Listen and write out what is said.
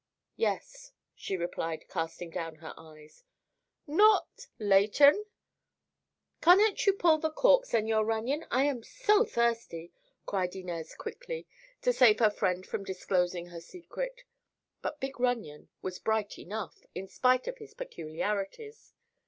"Yes," she replied, casting down her eyes. "Not—Leighton?" "Cannot you pull the cork, Señor Runyon? I am so thirsty!" cried Inez quickly, to save her friend from disclosing her secret. But big Runyon was bright enough, in spite of his peculiarities.